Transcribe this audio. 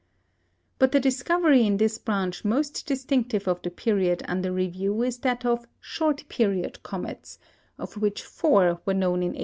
But the discovery in this branch most distinctive of the period under review is that of "short period" comets, of which four were known in 1850.